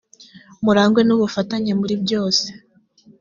murangwe n ubufatanye muri byose